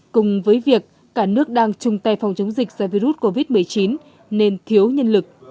cùng với việc cả nước đang chung tay phòng chống dịch do virus covid một mươi chín nên thiếu nhân lực